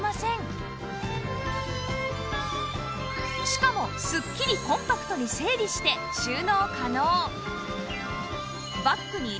しかもすっきりコンパクトに整理して収納可能